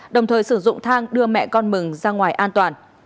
đồng thời sử dụng thang đưa mẹ con mừng ra ngoài an toàn